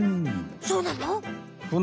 そうなの？